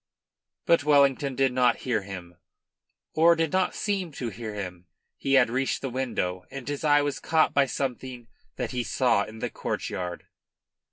But Wellington did not hear him, or did not seem to hear him. He had reached the window and his eye was caught by something that he saw in the courtyard.